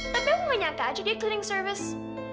tapi aku menyangka aja dia cleaning service